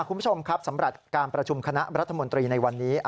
คุณผู้ชมครับสำหรับการประชุมคณะรัฐมนตรีในวันนี้